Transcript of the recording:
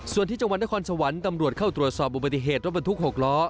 ส่วนที่จังหวัดนครสวรรค์ตำรวจเข้าตรวจสอบอุบัติเหตุรถบรรทุก๖ล้อ